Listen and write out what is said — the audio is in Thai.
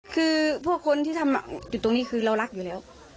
คือพวกคนที่ทำอยู่ตรงนี้คือเรารักอยู่แล้ว